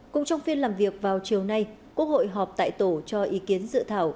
cũng trong phiên làm việc vào chiều nay quốc hội họp tại tổ cho ý kiến dự thảo